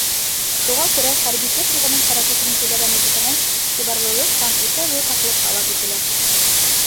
Шуға күрә хәрби техниканың хәрәкәтен көйләгән Нәзифәнән иғтибарлылыҡ һәм үтә ҙур һаҡлыҡ талап ителә.